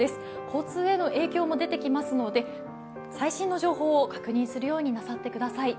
交通への影響も出てきますので最新の情報を確認するようになさってください。